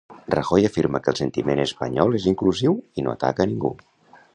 Rajoy afirma que el sentiment espanyol és inclusiu i no ataca ningú.